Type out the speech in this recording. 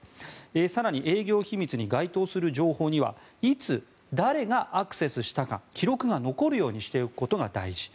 更に営業秘密に該当する情報にはいつ、誰がアクセスしたか記録が残るようにしておくことが大事。